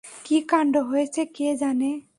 কী কাণ্ড হয়েছে কে জানে।